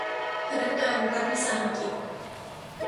พนักงานรัฐวิสาหกิจ